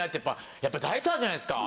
やっぱ大スターじゃないですか。